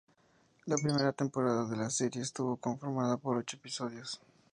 La primera temporada de la serie estuvo conformada por ocho episodios.